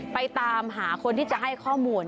ไปตามหาคนที่จะให้ข้อมูล